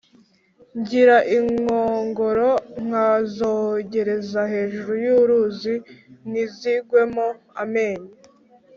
Ngira inkongoro nkazogereza hejuru y'uruzi ntizigwemo-Amenyo.